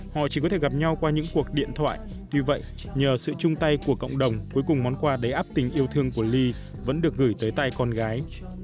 họ chỉ có thể gặp nhau qua những cuộc điện thoại tuy vậy nhờ sự chung tay của cộng đồng cuối cùng món quà đầy áp tình yêu thương của ly vẫn được gửi tới tay con gái